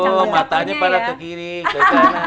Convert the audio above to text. oh matanya pada ke kiri ke kanan